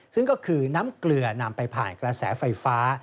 ซึ่งก็คือน้ำเกลือนำไปผ่านกระแสไฟฟ้า